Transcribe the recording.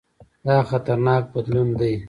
دا خطرناک بدلون دی.